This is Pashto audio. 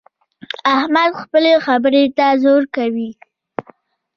احمد خپلې خبرې ته زور کوي.